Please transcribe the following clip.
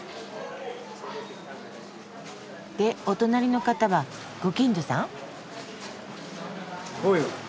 でお隣の方はご近所さん？